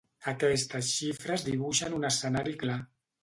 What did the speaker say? Aquestes xifres dibuixen un escenari clar.